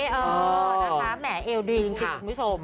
เออนะคะแหมเอวดีจริงคุณผู้ชม